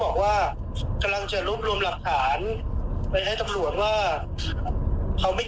แล้วไอ้คนที่จริงรู้มาจากใคร